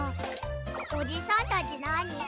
おじさんたちなに？